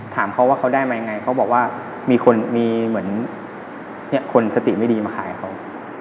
ถามเขาว่าเขาได้มายังไงเขาบอกว่ามีคนมีเหมือนคนสติไม่ดีมาขายเขา